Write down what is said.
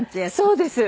そうです。